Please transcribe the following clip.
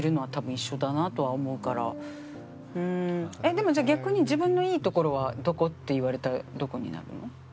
でもじゃあ逆に「自分のいいところはどこ？」って言われたらどこになるの？